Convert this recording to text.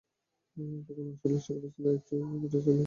তখনই আসলে শেখ রাসেলের এএফসি প্রেসিডেন্টস কাপের ফাইনালে ওঠার স্বপ্ন শেষ।